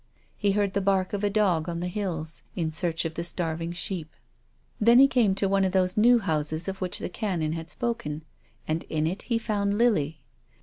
He heard the bark of a dog on the hills, in search of the starving sheep. Then he came to one of those new houses of which the Canon had spoken, and in it he found Lily.